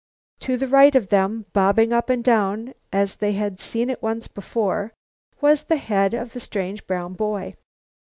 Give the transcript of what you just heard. To the right of them, bobbing up and down as they had seen it once before, was the head of the strange brown boy.